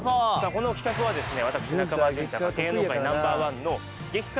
この企画はですね